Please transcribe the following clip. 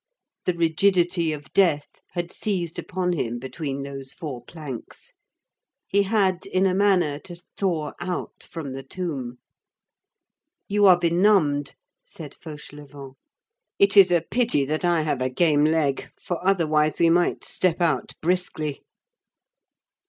The rigidity of death had seized upon him between those four planks. He had, in a manner, to thaw out, from the tomb. "You are benumbed," said Fauchelevent. "It is a pity that I have a game leg, for otherwise we might step out briskly."